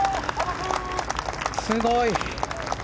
すごい。